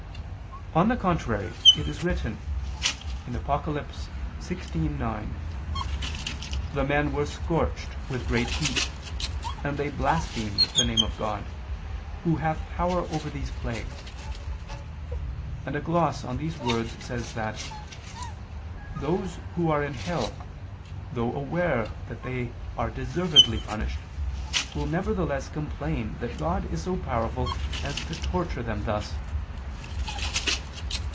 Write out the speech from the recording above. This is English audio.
On the contrary, It is written (Apoc. 16:9): "The men were scorched with great heat, and they blasphemed the name of God, Who hath power over these plagues," and a gloss on these words says that "those who are in hell, though aware that they are deservedly punished, will nevertheless complain that God is so powerful as to torture them thus."